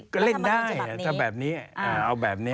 ก็เล่นได้ถ้าแบบนี้เอาแบบนี้